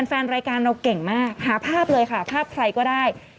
แฟนรายการเราเก่งมากหาภาพเลยค่ะภาพใครก็ได้